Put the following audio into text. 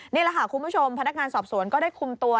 นี่แหละค่ะคุณผู้ชมพนักงานสอบสวนก็ได้คุมตัว